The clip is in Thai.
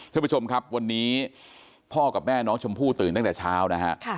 ท่านผู้ชมครับวันนี้พ่อกับแม่น้องชมพู่ตื่นตั้งแต่เช้านะฮะ